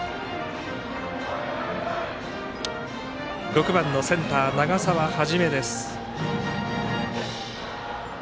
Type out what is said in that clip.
６番のセンター、長澤元。